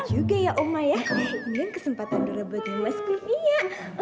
bener juga ya omah ya ini kesempatan dorebagi mas kurnia